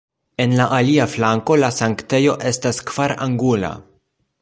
En la alia flanko la sanktejo estas kvarangula.